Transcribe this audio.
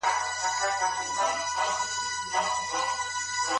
يو د بل رازدار، مشاور، خواخوږی، مرستندوی، او ستايونکی سئ.